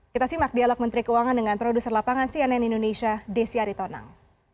kita simak dialog menteri keuangan dengan produser lapangan cnn indonesia desi aritonang